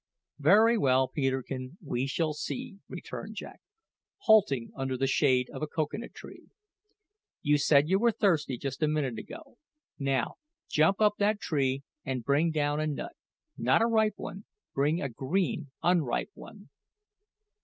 "Very well, Peterkin, we shall see," returned Jack, halting under the shade of a cocoa nut tree. "You said you were thirsty just a minute ago. Now jump up that tree and bring down a nut not a ripe one; bring a green, unripe one."